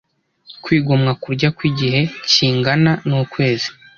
Kwigomwa kurya kw’igihe kingana n’ukwezi